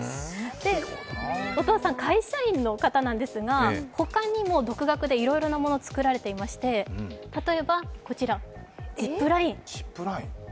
お父さん、会社員の方なんですが、他にも独学でいろいろなものを作られていまして、例えばこちら、ジップライン